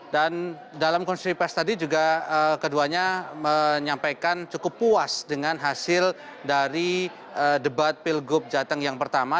dan dalam konsultasi tadi juga keduanya menyampaikan cukup puas dengan hasil dari debat pilgub jateng yang pertama